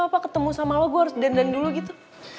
apa ketemu sama lo gue harus dandan dulu gitu